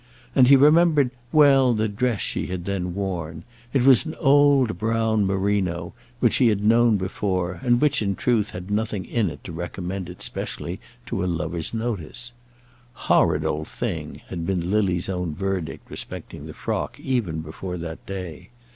And he remembered well the dress she had then worn. It was an old brown merino, which he had known before, and which, in truth, had nothing in it to recommend it specially to a lover's notice. "Horrid old thing!" had been Lily's own verdict respecting the frock, even before that day.